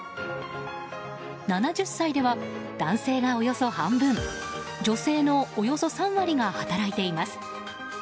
７０歳では男性がおよそ半分女性のおよそ３割が働いています。